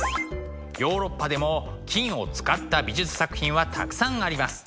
ヨーロッパでも金を使った美術作品はたくさんあります。